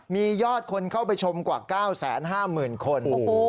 มียอดคนเข้าไปชมกว่า๙๕๐๐๐คน